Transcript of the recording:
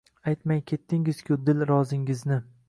Aytmay ketdingiz-ku dil rozingizni